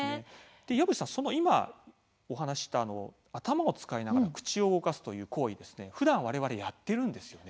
岩渕さん、今ご紹介した頭を使いながら口を動かすという行為なんですけどふだんわれわれやっているんですよね。